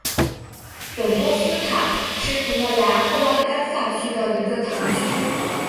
本波斯塔是葡萄牙布拉干萨区的一个堂区。